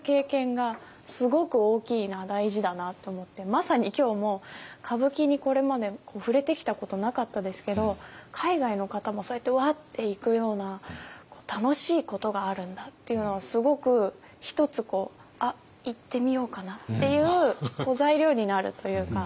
まさに今日も歌舞伎にこれまで触れてきたことなかったですけど海外の方もそうやってうわって行くような楽しいことがあるんだっていうのはすごく一つ「あっ行ってみようかな」っていう材料になるというか。